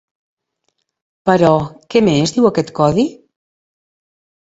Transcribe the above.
Però què més diu aquest codi?